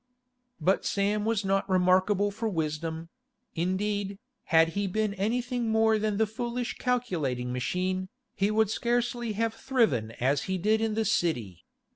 But Sam was not remarkable for wisdom; indeed, had he been anything more than a foolish calculating machine, he would scarcely have thriven as he did in the City.